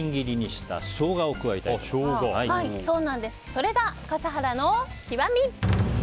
それが笠原の極み。